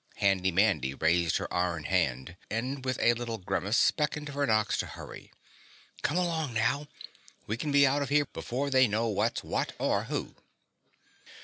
Handy Mandy raised her iron hand and with a little grimace beckoned for Nox to hurry. "Come along now, and we can be out of here before they know what's what or who."